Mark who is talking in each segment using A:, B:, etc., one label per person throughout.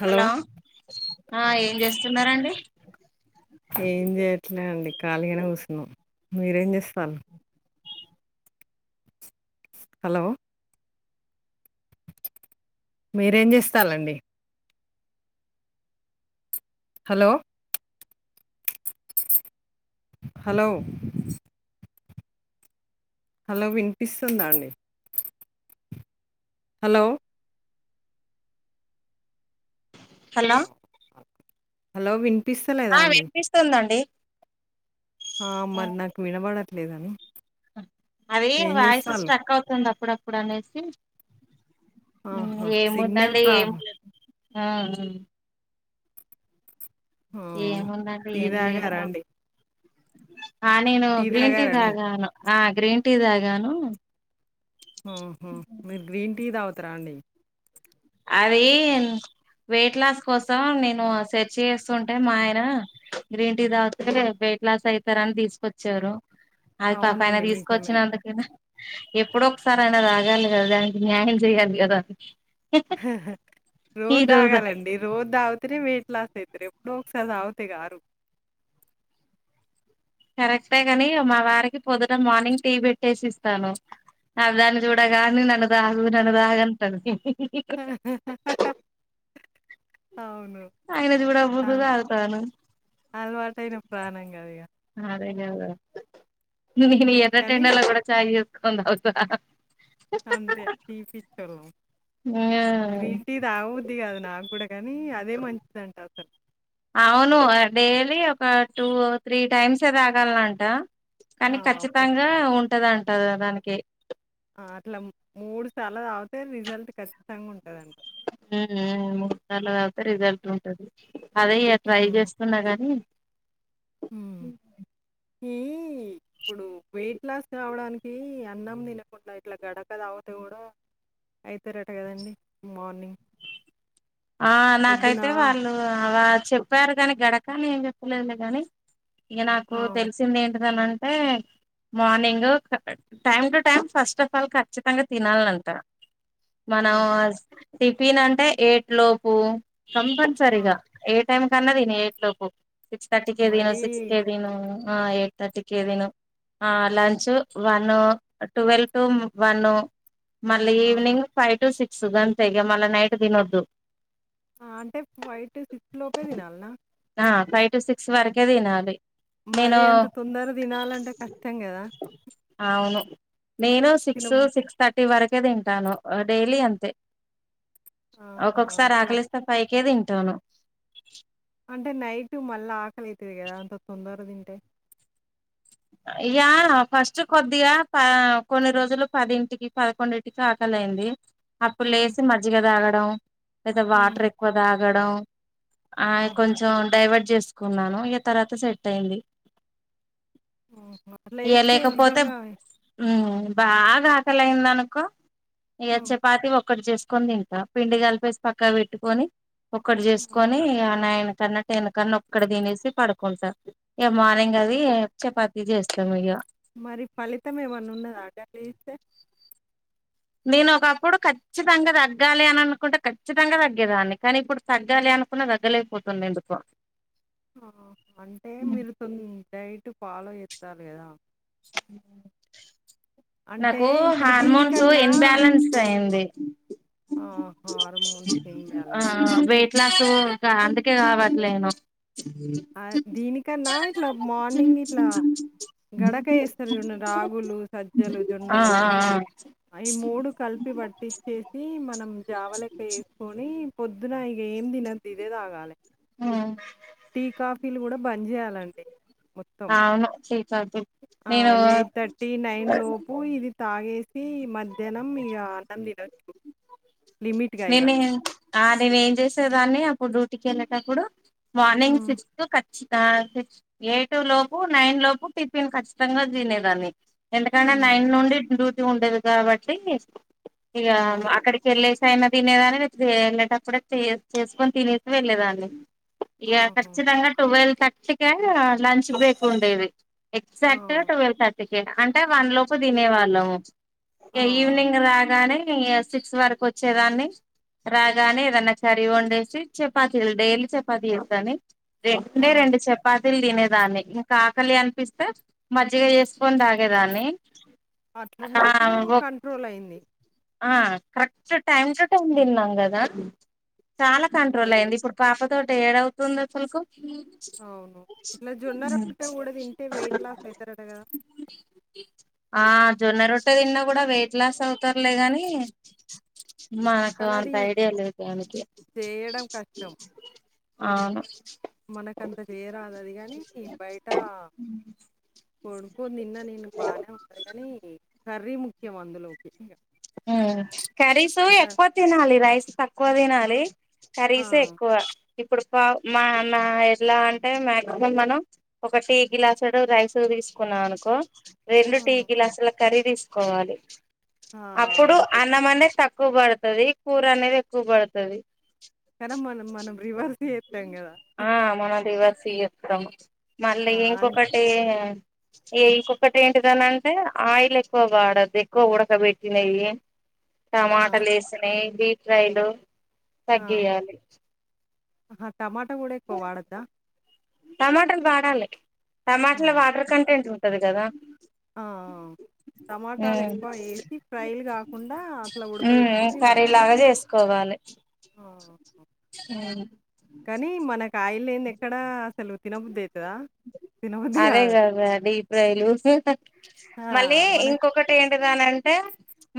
A: Hello
B: ఆ ఏం చేస్తునారండి
A: ఏం చేయట్లే అండి ఖాళీగానే కూచున్నాం మీరేం చేస్తరు హలో మీరేం చేస్తాలండి హలో హలో హలో వినిపిస్తుందా అండి హలో
B: హలో
A: హలో వినిపిస్తుందా
B: ఆ వినిపిస్తుందండి
A: ఆ మరి నాకు వినబడట్లేదు
B: అదే వాయిసు స్ట్రక్ అవుతుంది అప్పుడప్పుడు అనేసి
A: ఆహా సిగ్నల్
B: ఏముందండి ఏం
A: ప్రాబ్లం
B: లే
A: ఆ
B: ఏముందండి
A: టీ
B: ఏం లేదు మా
A: దాగరండి
B: ఆ నేను గ్రీన్ టీ తాగాను ఆ గ్రీన్ టీ తాగాను
A: ఆహ మీరు గ్రీన్ టీ దాగుతారా అండి
B: అదేన్ వెయిట్ లాస్ కోసం నేను సెర్చ్ చేస్తుంటే మా ఆయన గ్రీన్ టీ తాగితే వేట్లాస్ అవుతారని తీసుకొచ్చారు అది పాపం అయిన
A: అవునండి నిజమే
B: తీసుకొచ్చినందుకనా ఎప్పుడ ఒకసారి ఆయన తగాలి కదా దానికి న్యాయం చెయ్యాలి కదా అది
A: రోజు తాగాలండి రోజు తాగుతేనే వెయిట్ లాస్ అయితరు ఎప్పుడో ఒకసారి తాగితే కారు
B: కరెక్టే గాని మా వారికి పొద్దుట మార్నింగ్ టీ పెట్టేసి ఇస్తాను అ దాన్ని చూడగాని నన్ను తాగు నన్ను దాగంటుంది
A: నవ్వు సౌండ్
B: ఆయన చూడక ముందు తాగుతాను
A: అలవాటైన ప్రాణం ఇగ
B: అదే కదా ఈ ఎర్రటి
A: కానీ
B: ఎండల గుడ చాయ్ చేసుకొని తాగుతున్నారా
A: అంతే టీ పిచ్చోళ్ళ గ్రీన్ టీ తాగద్ది బుద్ధి నాకు కూడా కానీ అదే మంచిదంట అసలు
B: అవును డైలీ ఒక టూ త్రీ టైమ్స్ తాగాలంట
A: ఆ!
B: కానీ
A: పొద్
B: ఖచ్చితంగా ఉంటదింటారు దానికి
A: ఆ! అట్లా మూడు సార్లు తాగితే రిజల్ట్ ఖచ్చితంగా ఉంటదట
B: మూడు నార్లు కాతే రిజల్ట్ ఉంటది అదే ఇ ట్రై చేస్తున్నా గాని
A: ఉ ఊ ఇప్పుడు వెయిట్ లాస్ కావడానికి అన్నం తినకుండా ఇట్లా గడక తగీతే కూడా వెయిట్ లాస్ అయితారట కదండి మార్నింగ్
B: ఆ
A: పొద్దున
B: నాకైతే వాళ్ళు చెప్పారు గాని గడకని ఏం చెప్పలేదులే గాని ఇక నాకు
A: ఆ!
B: తెలిసింది ఏంటిదనంటే morning time to time first of all ఖచ్చితంగా తినాలంట మనం
A: ఆహా!
B: టిఫిన్ అంటే ఏట్ లోపు
A: ఆ!
B: కంపల్సరీగా ఏ టైం కన్నా తినే ఏట్ లోపు సిక్స్ థర్టీ తను
A: మరీ
B: సిక్స్ కేే తీన ఎయిట్ థర్టీ కి తిను ఆ lunch one twelve to one మళ్ళీ
A: ఆహా!
B: ఈవినింగ్ ఫైవ్ టు సిక్స్ గంతే మళ్ళా నైట్ తినొద్దు
A: అంటే ఫైవ్ టు సిక్స్ లోపే తినాల
B: ఆ ఫైవ్ టు సిక్స్ వరకే తినాలి నేను
A: మరి అంత తొందర తినాలంటే కష్టం కదా
B: అవును నేను సిక్స్ సిక్స్ థర్టీ వరకే తింటాను డైలీ అంతే
A: ఆ
B: ఒక్కొక్కసారి ఆకలిస్తే ఫైకే తింటాను
A: అంటే నైట్ మళ్ళీ ఆకలి అయితది కదా అంత తొందర తింటే
B: ఇగ ఫస్ట్ కొద్దిగా ప కొన్ని రోజులు పదింటికి పదకొండింటికి ఆకలే అయింది అప్పుడు
A: హ్మ్.
B: లేసి మజ్జిగ తాగడం లేదా
A: హ్మ్.
B: వాటర్ ఎక్కువ తాగడం ఆ
A: ఆహా!
B: కొంచెం డైవర్ట్ చేసుకున్నాను ఇక తర్వాత సెట్ అయింది
A: ఆహా! అట్లా
B: ఇగ
A: చేస్తే
B: లేకపోతే
A: నిజంగా
B: బాగా ఆకల అయింద అనుకో ఇగ
A: హ్మ్.
B: చపాతి ఒక్కటి చేసుకొని తింట పిండి కలిపేసి పక్కా పెట్టుకొని ఒక్కటి
A: హ్మ్.
B: చేసుకొని ఆ నయన్ సన్నటి ఎనకన్నా ఒక్కటి తినేసి పడుకుంట ఇగ మార్నింగ్ అది చపాతి చేస్తాం ఇగ
A: మరి ఫలితం ఏమన్నా ఉన్నద గలజేస్తే
B: నేను ఒకప్పుడు ఖచ్చితంగా తగ్గాలి అని అనుకుంటే ఖచ్చితంగా తగ్గేదాన్ని కానీ ఇప్పుడు తగ్గాలి అనుకున్న తగ్గలేకపోతున్న ఎందుకో
A: ఆహా అంటే మీరు తొ డైట్ ఫాలో చేస్తారు కదా
B: మ్
A: అంటే
B: నాకు
A: ఇప్పుడు
B: హార్మోన్స్
A: దీనికన్నా
B: ఇన్బ్యాలెన్స్ అయింది
A: హార్మోన్ ఇమ్బ్యాలన్స్ ది
B: ఇంక అందుకే కావట్లేను
A: ఆ దీనికన్నా ఇట్లా మార్నింగ్ ఇట్లా గడక ఎస్తరుజుడండి రాగులు సజ్జలు
B: ఆ ఆ
A: జొన్నలని అయ్ మూడు కలిపి పట్టిచ్చేసి మనం జావలెక్క జేసుకొని పొద్దున ఏం దీన్నద్దు ఇదే తాగాలె టీ లు కూడా బంద్ చేయాలండి మొత్తం
B: ఆ అవును
A: ఆ
B: నేను
A: ఎయిట్ థర్టీ నైన్ లోపు ఇది తగేసి మధ్యాహ్నం ఇగ అన్నం తినొద్దు
B: నేను ఆ నేను ఏం చేసేదాన్ని అప్పుడు డ్యూటీకి వెళ్ళేటప్పుడు మార్నింగ్
A: హ్మ్.
B: సిక్స్త్ కచ్చి ఆ సి ఎయిట్ లోపు నైన్ లోపు టిఫిన్ ఖచ్చితంగా తినేదాన్ని ఎందుకంటే
A: హ్మ్.
B: నైన్ నుండి డ్యూటీ ఉండేది కాబట్టి ఇగ
A: హ్మ్.
B: అక్కడికి ఎళ్ళేస్ చైనా తినేదాన్ని ఎళ్ళేటప్పుడే చే చేసుకొని తినేసి వెళ్ళలేదాన్ని ఇగ
A: ఆహా!
B: ఖచ్చితంగా ట్వెల్వ్ థర్టీ కే లంచ్ బ్రేక్ ఉండేది
A: ఆ!
B: ఎగ్జాక్ట్ గా ట్వెల్వ్ థర్టీకి అంటే వన్ లోపు దినే వాళ్ళం
A: ఆ!
B: ఇగ
A: ఆ!
B: ఈవినింగ్ రాగానే సిక్స్ వరకు వచ్చేదాన్ని రాగానే ఏదన్నా కర్రీ వండేసి చపాతీ డైలీ చపాతీ చేసేదాన్ని
A: ఆ!
B: రెడ్కునే రెండు చెపా తీల్ తినేదాన్ని ఇంకా ఆకలి అనిపిస్తే మజ్జిగ చేసుకొని తాగేదాన్ని ఆ
A: అట్లున్నప్పుడు కంట్రోల్ అయింది
B: ఆ కరెక్ట్ టైమ్ టు టైమ్ తిన్నాం కదా చాలా కంట్రోల్
A: అదే.
B: అయింది ఇప్పుడు పాప తో ఏడౌవుతుంది అసల్కు
A: అవును. ఇట్లా జొన్న
B: మ్
A: రొట్టె గూడా తింటే వెయిట్ లాస్ అయితారట గదా!
B: ఆ జొన్న రొట్టె తిన్నా కూడా వెయిట్ లాస్ అవుతార్లేగాని మనకు
A: కానీ
B: అంత
A: అది
B: ఐడియా లేదు దానికి
A: చేయడం కష్టం.
B: అవును
A: మనకంత చేరాదు అది కాగాని బయట కొనుకో తిన్నా నేను బాగానే ఉంటది కాని కర్రీ ముఖ్యం అందులోకి ఇంగ
B: మ్ కర్రీసు
A: క
B: ఎక్కువ తినాలి రైస్ తక్కువ తినాలి
A: ఆ!
B: కర్రీసే ఎక్కువ ఇప్పుడు పా మా నా ఎలా అంటే మాక్సిమం మనం ఒక టీ గ్లాస్డు రైస్ తీసుకున్నా అనుకో రెండు
A: ఆ!
B: టీ గ్లాసుల కర్రీ తీసుకోవాలి
A: ఆ!
B: అప్పుడు
A: అంతే.
B: అన్నం అనేది తక్కువ పడతది కూర అనేది ఎక్కువ పడతది
A: కానీ మనం మనం రివర్స్ చేస్తాం కదా
B: సియస్తం మళ్ళీ
A: అన్
B: ఇంకొకటి ఏ ఇంకొకటి ఏంటిదని అంటే ఆయిల్ ఎక్కువ వాడదు ఎక్కువ ఉడకబెట్టినవి
A: ఆ!
B: టమాటలు ఏసినవి డీప్ ఫ్రైలు తగ్గయాలి
A: ఆ టమాటా కూడా ఎక్కువ వాడద్దా
B: టమాటాలు వాడాలి
A: ఆ!
B: టమాటల
A: ఆ!
B: వాటర్ కంటెంట్ ఉంటది కదా
A: ఆ టమాటాలు
B: ఉమ్
A: ఎక్కువ ఏసీ ఫ్రైలు కాకుండా అట్లా
B: ఉమ్
A: ఉడకబెట్టుకొని
B: కర్రీ
A: రాలే
B: లాగా [unintelligible]
A: కానీ మనకు ఆయిల్ ఏంది ఎక్కడా అసలు తినబుద్ద అయితాద
B: అదే కదా డిప్రైలు
A: ఆ!
B: మళ్ళీ
A: మనకు
B: ఇంకొకటి ఏంటి ఉదానంటే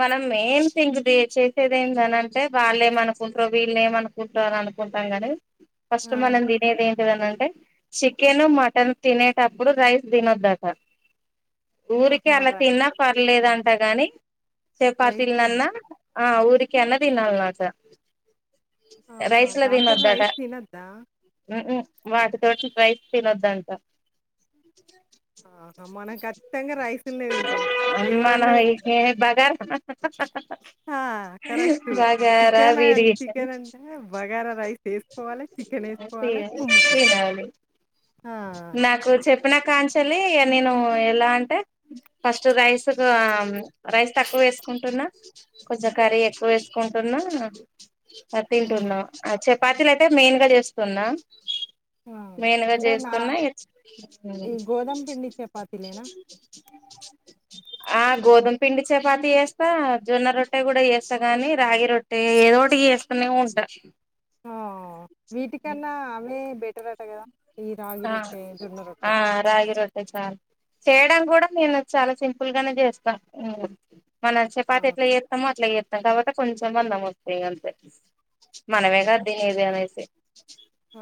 B: మనం మేం థింగ్ చేసేది ఏమిటి అంటే వాళ్ళు ఏమ అనుకుంటారు వీళ్ళు ఏమనుకుంటారుో అని కుంటాం కానీ ఫస్ట్
A: ఆ!
B: మనం తినేది ఏంటిదని అంటే చికెన్ మటన్ తినేటప్పుడు రైస్ తినొదట ఊరికె
A: ఆహా!
B: అలా
A: ర
B: తిన్న ప లేదంట గాని
A: రైస్
B: చపాతీల
A: తిన
B: నన్నా ఆ ఊరికె నన్న తినాలి అంట
A: ఆహా దాని తోటి రైస్ తినద్దా
B: వాటితోోటి రైస్ తినొద్దు ఆట
A: ఆహా మన కథంగా రైస్ తింటాం
B: మనం
A: ఎవరన్నా
B: బగార
A: ఆ correct
B: bagara
A: chicken on
B: biryani
A: chicken అంటే బగారా రైస్ ఏసుకోవాలి చికెన్ ఏసుకోవాలి కుమ్ముకోవాలి
B: యాలు
A: ఆ
B: చెప్పిన కాంచల్లి నేను ఎలా అంటే ఫస్ట్ రైస్ ఆ రైస్ తక్కువ వేసుకుంటున్నా కొంచం కర్రీ ఎక్కువ వేసుకుంట ంటన్నా
A: హ్మ్.
B: తింటున్నా ఆ చపాతీలు అయితే మెయిన్గా చేస్తున్నా
A: ఆ!
B: మెయిన్గా
A: అంటే నా
B: చేస్తున్నా
A: ఈ గోధుమ పిండి చపాతీలేనా?
B: ఆ గోధుమ పిండి చపాతి చేేస్తా జొన్న రొట్టె కూడా చేస్తా గాని రాగి రొట్టె ఏదోటి చేస్తనే ఉంటా
A: ఆ వీటికన్నా అవె బెటర అట కదా
B: ఆ ఆ రాగి రొట్టె చాలు చేయడం కూడా నేను చాలా సింపుల్ గానే చేస్తా హ్మ మన చేపతి
A: ఆ!
B: ఎట్లా చేతమో అట్లా చేత తర్వాత కొంచెం మందం వస్తాయి అంతే
A: ఆ!
B: మనమేగాద తినేది అనేసి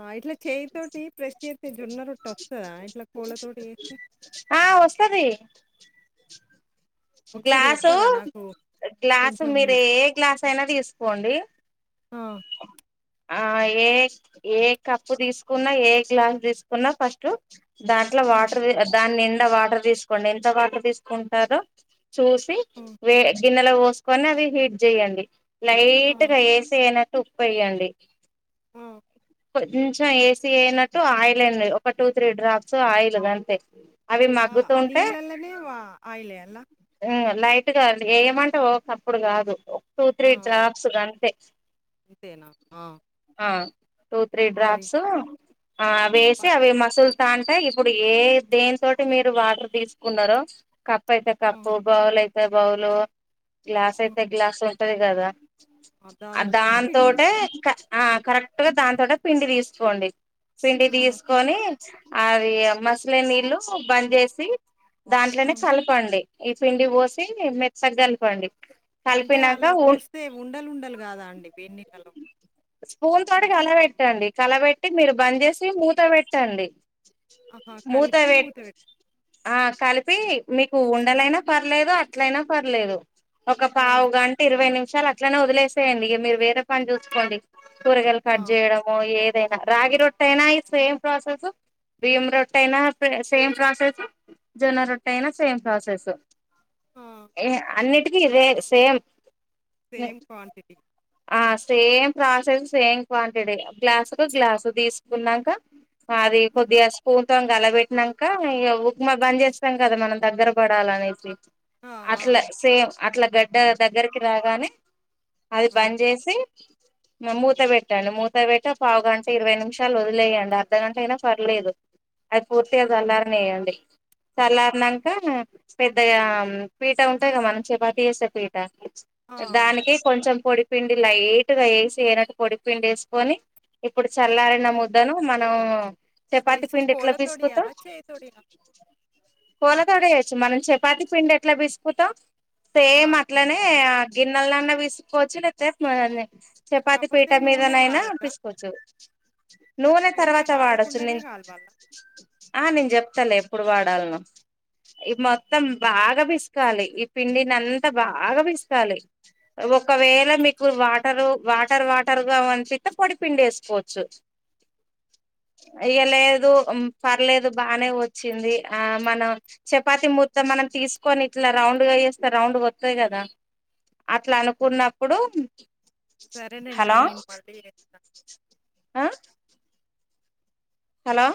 A: ఆ ఇట్లా చేయితోోటి ప్రెస్ చె జొన్న రొట్ట వత్తాద ఇట్లా కోళ్ళతోోటి చేతే
B: ఆ వస్తది [inaudible] గ్లాసు
A: చెప్పరా నాకు
B: గ్లాసు
A: కొంచెం
B: మీరు
A: వి
B: ఏ గ్లాసు అయినా తీసుకోండి
A: ఆ
B: ఆ ఏ ఏ కప్పు తీసుకున్నా ఏ గ్లాస్ తీసుకున్నా ఫస్ట్ దాంట్లో
A: హ్మ్.
B: వాటర్ దాని నిండా వాటర్ తీసుకోండి ఎంత వాటర్ తీసుకుంటారో చూసి
A: హ్మ్.
B: వే గిన్నెలో పోసుకొని అవి హీట్ చేయండి
A: ఆ!
B: లైట్గా వేసి వెయనట్టు ఉప్పు వేయండి
A: ఆ!
B: కొంచెం ఏసీ అయ్యినట్టు ఆయిల్ వేయండి ఒక టూ త్రీ డ్రాప్స్ ఆయిల్ గంతే
A: ఆ నీళ్లలనే వా ఆయిలే వేయాలా
B: హ్మ లైట్ గా ఏమంటే ఒకప్పుడు కాదు టూ త్రీ
A: ఆ! ఓకే.
B: డ్రాప్స్ గంతే
A: అంతేనా? ఆ!
B: ఆ టూ త్రీ
A: మరి
B: డ్రాప్స్ అ
A: ఆ!
B: వేసి అవి మసుల్ అంటే ఇప్పుడు ఏ దేని తోటి మీరు వాటర్ తీసుకున్నారో కప్పు అయితే
A: హ్మ్.
B: కప్పు బౌల్ అయితే బౌలు గ్లాస్ అయితే
A: హ్మ్.
B: గ్లాస్ ఉంటది కదా
A: ఆ! దాంతోటి పిండిది.
B: దాంతోటే ఆ కరెక్ట్ గా దాంతోటే పిండి తీసుకోండి పిండి
A: హ్మ్.
B: తీసుకొని అది మసీలే నీళ్ళు బంద్ చేసి దాంట్లోనే
A: హ్మ్.
B: చల్లుకోండి ఈ పిండి పోసి మెత్తగా కలుపండి
A: అంటే అలా పోస్తే ఉండలు ఉండలు కాదా అండి వేడి నీళ్లలో
B: స్పూన్ తోటి కల పెట్టండి కలబెట్టి మీరు బంద్ చేసి మూత పెట్టండి
A: ఆహా!
B: మూత
A: కలిపి
B: పెట్టి
A: పెట్
B: ఆ కలిపి మీకు ఉండగా రాదు ఇట్లా అయినా పర్లేదు అట్లయినా పర్లేదు ఒక
A: ఆ!
B: పావు గంట ఇరవై నిమి షాలు అట్లనే వదిలేసేయండి మీరు వేరే పని చూసుకోండి కూరగాయలు
A: ఆ!
B: కట్ చేయడం రాగి రొట్టే అయినా సేమ్ ప్రాసెస్ బియ్యం రొట్టయినా సేమ్ ప్రాసెస్ జొన్న రొట్టయినా సేమ్ ప్రాసెస్
A: ఆ!
B: అన్నిటికీ ఇదే సేమ్
A: సేమ్ క్వాంటిటీ
B: ఆ సేమ్ ప్రాసెస్ సేమ్ క్వాంటిటీ గ్లాసుకు గ్లాసు తీసుకున్నాక అది
A: హ్మ్.
B: కొద్దిగా స్పూన్ తో కలబెట్టినంకా ఇగా ఉక్మా బంద్ చేస్తాం కదా మనం దగ్గర పడ లనేసి
A: ఆ! ఆ!
B: అట్లా సేమ్ అట్లా గడ్డ దగ్గరికి రాగానే అది బంద్
A: ఆ!
B: చేసి మూత పెట్టండి మూత పెట్టి పావు గంట ఇరవై నిమిషాలు వదిలేయండి అర్ధగంట అయినా పర్లేదు అది పూర్తిగా చల్లారనియ్యండి చల్లారినంకా పెద్దగా పీట ఉంటాయి కదా మనం చపాతీ చేసే పీట
A: ఆ!
B: దానికి కొంచెం పొడిపిండి లైట్ గా వేసి ఏనట్టు పొడి పిండి వేసుకొని ఇప్పుడు చల్లారిన ముద్దను మల్లా అవునా
A: వేసి కోల తొటి చెయ్యాలా చేయి తొటి చేయాలా
B: కొలతోటి చేయొచ్చు మనం చపాతి పిండి ఎట్లా పీసుకుతాం
A: ఆ!
B: సేమ్ అట్లనే
A: చే
B: ఆ గిన్నెలన్న పీసుకోవచ్చు చపాతి పీఠ
A: కాపోతే నూనె
B: మీదనయినా
A: వాడొద్దా?
B: పీసుకోవచ్చు నూనె తర్వాత వాడొచ్చు
A: వాడకుండానే
B: నేను
A: కాలవాలా?
B: ఆ నేను చెప్తాలే ఎప్పుడు వాడాల్నో ఈ మొత్తం బాగా పిసుకాలి ఈ పిండిని అంతా బాగా పిసుకాలి ఒక వేళ మీకు వాటరు వాటర్ వాటర్గా అనిపిస్తే పొడి పిండి వేసుకోవచ్చు
A: [inaudible]
B: ఇగ లేదు పర్లేదు బానే వచ్చింది ఆ మనం చపాతి ముద్ద మనం తీసుకొని ఇట్లా రౌండ్ గా చేస్తే రౌండ్ గా వస్తది కదా అట్లా అనుకున్నప్పుడు
A: సరేనండి
B: హలో
A: నేను మళ్ళీ చేస్తాను
B: ఆ హలో